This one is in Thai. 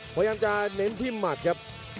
พยายามจะเน้นที่หมัดครับ